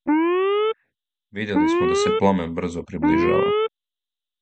Видели смо да се пламен брзо приближава.